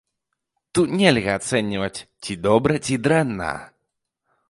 Тут нельга ацэньваць ці добра, ці дрэнна.